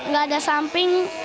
nggak ada samping